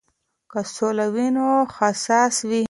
که سوله وي نو حساس وي.